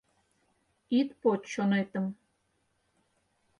Ит поч чонетым.